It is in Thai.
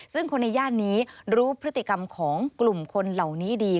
ซึ่งคนในย่านนี้รู้พฤติกรรมของกลุ่มคนเหล่านี้ดี